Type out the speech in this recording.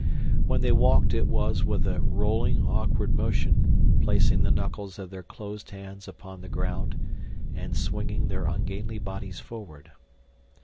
When they walked it was with a rolling, awkward motion, placing the knuckles of their closed hands upon the ground and swinging their ungainly bodies forward.